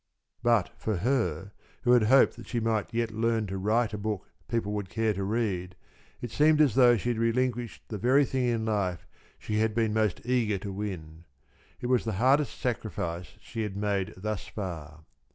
But for her, who had hoped that she might yet learn to write a book people would care to read, it seemed as though she had relinquished the very thing in life she had been most eager to win. It was the hardest sacrifice she had made thus far.